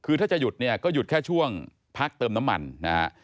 คือถ้าจะหยุดเนี่ยก็หยุดแค่ช่วงพักเติมน้ำมันนะฮะ